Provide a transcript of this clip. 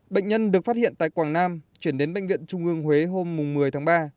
bệnh nhân được phát hiện tại quảng nam chuyển đến bệnh viện trung ương huế hôm một mươi tháng ba